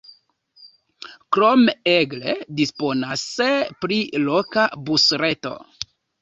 Krome Aigle disponas pri loka busreto.